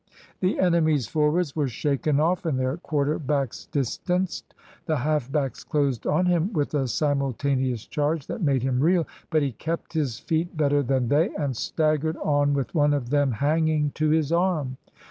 The enemy's forwards were shaken off, and their quarter backs distanced. The half backs closed on him with a simultaneous charge that made him reel. But he kept his feet better than they, and staggered on with one of them hanging to his arm.